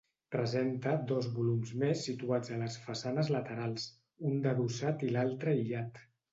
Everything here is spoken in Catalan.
Presenta dos volums més situats a les façanes laterals, un d'adossat i l'altre aïllat.